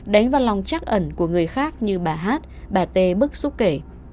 đánh vào lòng chắc ẩn của người khác như bà hát bà tê bức xúc kể